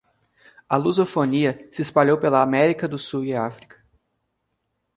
A lusofonia se espalhou pela América do Sul e África